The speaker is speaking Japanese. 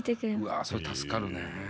うわそれ助かるね。